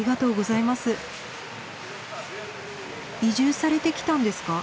移住されてきたんですか？